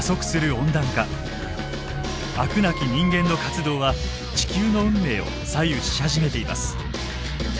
飽くなき人間の活動は地球の運命を左右し始めています。